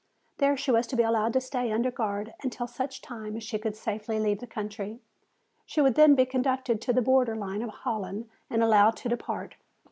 There she was to be allowed to stay under guard until such time as she could safely leave the country. She would then be conducted to the border line of Holland and allowed to depart.